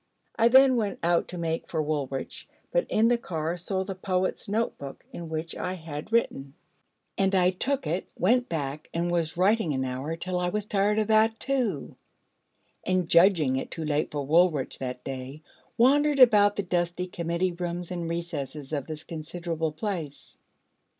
I then went out to make for Woolwich, but in the car saw the poet's note book in which I had written: and I took it, went back, and was writing an hour, till I was tired of that, too; and judging it too late for Woolwich that day, wandered about the dusty committee rooms and recesses of this considerable place.